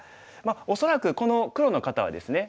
恐らくこの黒の方はですね